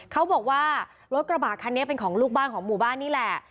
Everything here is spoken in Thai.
เขาบอกว่ารถกระบะคันนี้เป็นของลูกบ้านของหมู่บ้านนี่แหละ